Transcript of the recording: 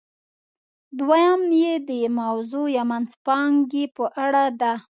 دویم یې د موضوع یا منځپانګې په اړه ده.